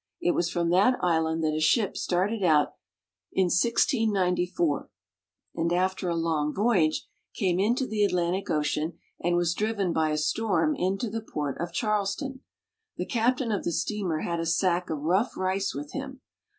It was from that island CHARLESTON. 123 that a ship started out in 1694, and after a long voyage came into the Atlantic Ocean, and was driven by a storm into the port of Charleston. The captain of the steamer had a sack of rough rice with him.